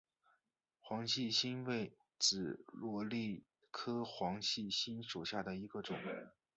黄细心为紫茉莉科黄细心属下的一个种。